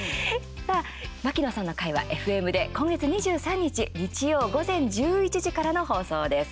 牧野さんの回はＦＭで今月２３日日曜午前１１時からの放送です。